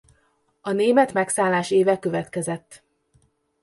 A német megszállás éve következett.